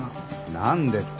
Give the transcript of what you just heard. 何でって。